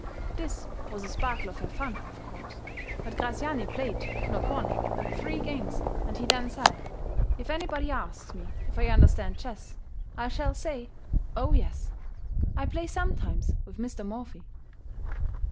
This was a sparkle of her fun, of course; but Graziani played, not one, but three games, and he then said: "If anybody asks me if I understand chess, I shall say, 'Oh, yes; I play sometimes with Mr. Morphy.'"